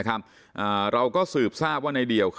พี่สาวต้องเอาอาหารที่เหลืออยู่ในบ้านมาทำให้เจ้าหน้าที่เข้ามาช่วยเหลือ